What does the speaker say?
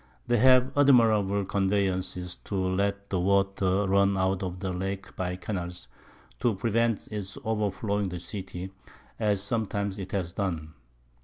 They have admirable Conveyances to let the Water run out of the Lake by Canals, to prevent its overflowing the City, as sometimes it has done.